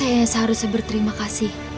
saya seharusnya berterima kasih